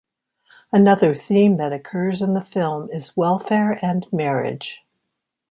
Another theme that occurs in the film is welfare and marriage.